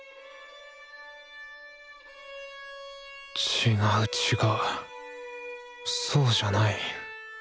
違う違うそうじゃない。